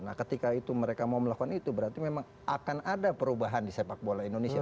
nah ketika itu mereka mau melakukan itu berarti memang akan ada perubahan di sepak bola indonesia